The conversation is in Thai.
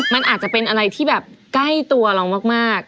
มันอาจจะเป็นอะไรที่แบบใกล้ตัวเรามาก